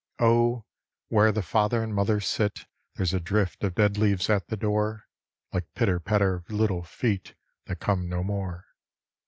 Oh, where the father and mother sit There's a drift of dead leaves at the door Like pitter patter of little feet That come no more.